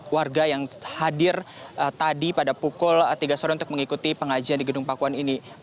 warga yang hadir tadi pada pukul tiga sore untuk mengikuti pengajian di gedung pakuan ini